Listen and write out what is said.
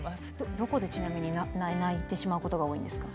どこで、ちなみに泣いてしまうことが多いんですか？